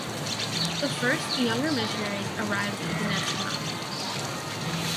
The first younger missionaries arrived the next month.